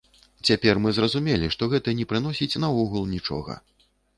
Цяпер мы зразумелі, што гэта не прыносіць наогул нічога.